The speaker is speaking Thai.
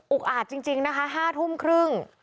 อุกอาจจริงจริงนะคะห้าทุ่มครึ่ง